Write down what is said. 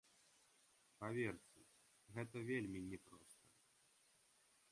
Паверце, гэта вельмі няпроста.